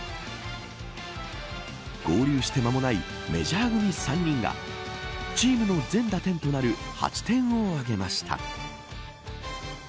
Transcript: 合流して間もないメジャー組３人がチームの全打点となる８点を挙げました。